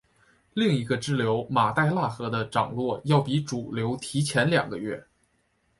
另一个支流马代腊河的涨落要比主流提前两个月。